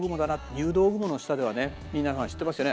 入道雲の下では皆さん知ってますよね？